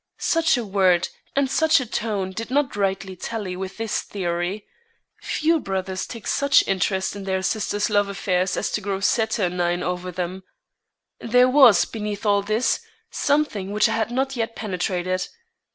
Such a word and such a tone did not rightly tally with this theory. Few brothers take such interest in their sister's love affairs as to grow saturnine over them. There was, beneath all this, something which I had not yet penetrated.